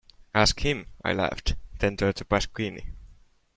Ask him, I laughed, then turned to Pasquini.